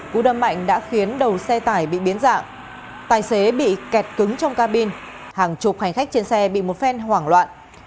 cú đâm mạnh đã khiến đầu xe tải bị biến dạng tài xế bị kẹt cứng trong cabin hàng chục hành khách trên xe bị một phen hoảng loạn